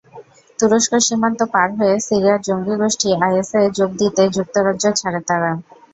তুরস্ক সীমান্ত পার হয়ে সিরিয়ার জঙ্গিগোষ্ঠী আইএসে যোগ দিতে যুক্তরাজ্য ছাড়ে তারা।